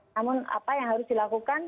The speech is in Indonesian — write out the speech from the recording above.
namun apa yang harus dilakukan